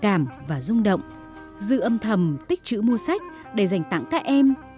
cảm và rung động dư âm thầm tích chữ mua sách để dành tặng các em